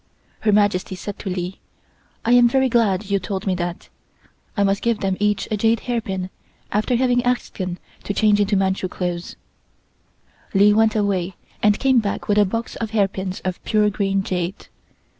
Her Majesty said to Li: "I am very glad you told me that. I must give them each a jade hairpin after having asked them to change into Manchu dress." Li went away and came back with a box of hairpins of pure green jade.